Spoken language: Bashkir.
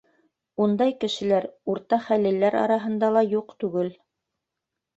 Ундай кешеләр урта хәллеләр араһында ла юҡ түгел.